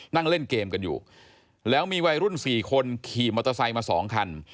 นั่งเล่นเกมกันอยู่แล้วมีวัยรุ่น๔คนขี่มอเตอร์ไซค์มา๒คัน